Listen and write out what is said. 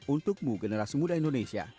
untukmu generasi muda indonesia